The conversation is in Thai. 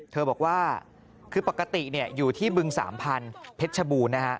เธอบอกว่าคือปกติอยู่ที่บึงสามพันธุ์เพชรชบูรณ์นะฮะ